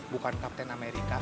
bukan kapten amerika